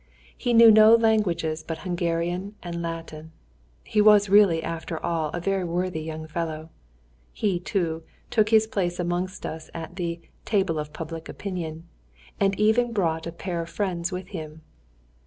He knew no languages but Hungarian and Latin. He was really after all a very worthy young fellow. He, too, took his place amongst us at the "Table of Public Opinion," and even brought a pair of friends with him.